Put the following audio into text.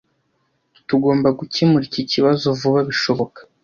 Tugomba gukemura iki kibazo vuba bishoboka.